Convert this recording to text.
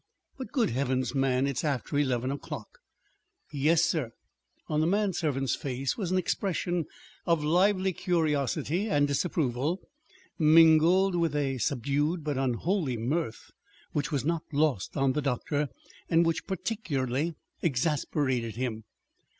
"But, good Heavens, man, it's after eleven o'clock!" "Yes, sir." On the manservant's face was an expression of lively curiosity and disapproval, mingled with a subdued but unholy mirth which was not lost on the doctor, and which particularly exasperated him.